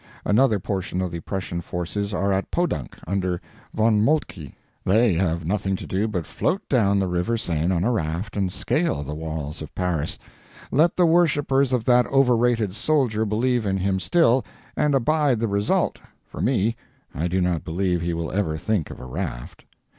Another portion of the Prussian forces are at Podunk, under Von Moltke. They have nothing to do but float down the river Seine on a raft and scale the walls of Paris. Let the worshippers of that overrated soldier believe in him still, and abide the result—for me, I do not believe he will ever think of a raft.